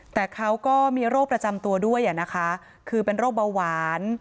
แต่เขาก็มีโรคประจำตัวด้วยนะคะคือเป็นโรคเบาหวาน